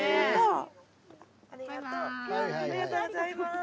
ありがとうございます。